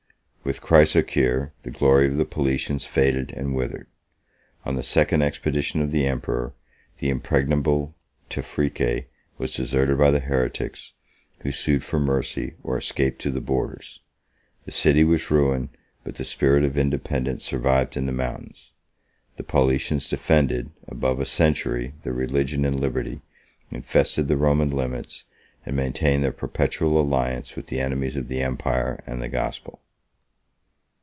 With Chrysocheir, the glory of the Paulicians faded and withered: 20 on the second expedition of the emperor, the impregnable Tephrice, was deserted by the heretics, who sued for mercy or escaped to the borders. The city was ruined, but the spirit of independence survived in the mountains: the Paulicians defended, above a century, their religion and liberty, infested the Roman limits, and maintained their perpetual alliance with the enemies of the empire and the gospel.